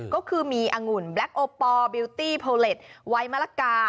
ก็คือมีอังุ่นแบล็คโอปอลบิลตี้โพลเล็ตไว้มะละกา